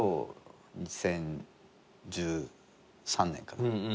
２０１３年かな。